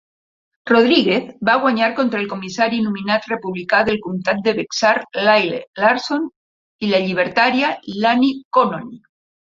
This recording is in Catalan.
Rodríguez va guanyar contra el comissari nominat republicà del comtat de Bexar Lyle Larson i la llibertària Lani Connolly.